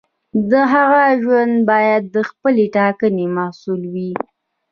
د هغه ژوند باید د خپلې ټاکنې محصول وي.